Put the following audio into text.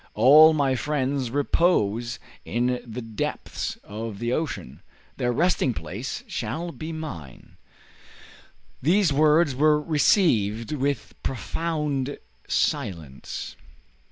All my friends repose in the depths of the ocean; their resting place shall be mine." These words were received with profound silence.